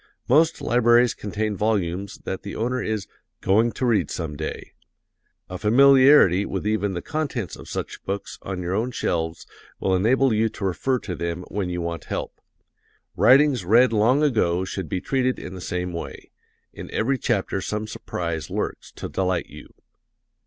Most libraries contain volumes that the owner is "going to read some day." A familiarity with even the contents of such books on your own shelves will enable you to refer to them when you want help. Writings read long ago should be treated in the same way in every chapter some surprise lurks to delight you.